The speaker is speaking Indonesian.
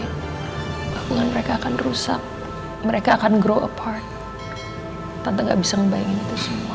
kegunaan mereka akan rusak mereka akan grow apart tante nggak bisa ngebayangin itu semua